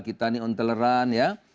kita ini intoleran ya